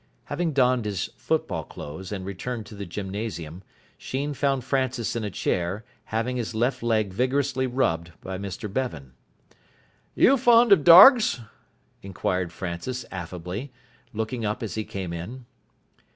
Having donned his football clothes and returned to the gymnasium, Sheen found Francis in a chair, having his left leg vigorously rubbed by Mr Bevan. "You fon' of dargs?" inquired Francis affably, looking up as he came in.